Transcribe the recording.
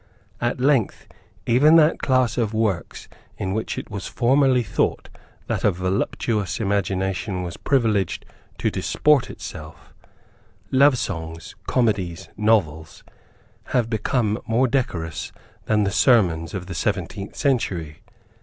At length even that class of works in which it was formerly thought that a voluptuous imagination was privileged to disport itself, love songs, comedies, novels, have become more decorous than the sermons of the seventeenth century.